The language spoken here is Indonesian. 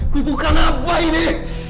kutukan apa ini